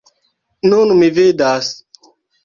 Nun mi vidas.